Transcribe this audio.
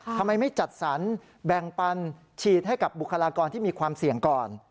ทำไมไม่จัดสรรแบ่งปันฉีดให้กับบุคลากรที่มีความเสี่ยงก่อน